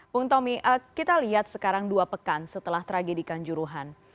bung tommy kita lihat sekarang dua pekan setelah tragedi kanjuruhan